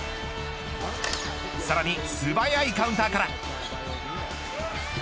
さらに素早いカウンターから。